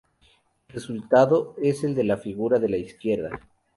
El resultado es el de la figura de la izquierda.